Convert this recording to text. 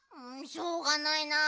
しょうがないなあ。